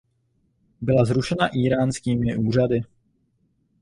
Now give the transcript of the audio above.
Byla zrušena íránskými úřady.